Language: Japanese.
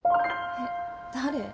えっ誰？